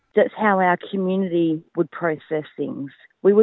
itulah cara komunitas kita mengelakkan hal hal